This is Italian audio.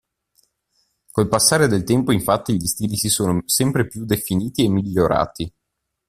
Col passare del tempo, infatti, gli stili si sono sempre più definiti e migliorati.